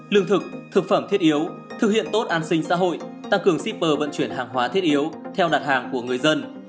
lương thực thực phẩm thiết yếu thực hiện tốt an sinh xã hội tăng cường shipper vận chuyển hàng hóa thiết yếu theo đặt hàng của người dân